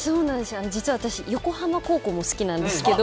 実は私、横浜高校も好きなんですけど